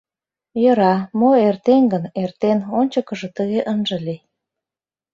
Йӧра, мо эртен гын, эртен, ончыкыжо тыге ынже лий.